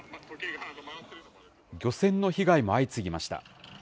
漁船の被害も相次ぎました。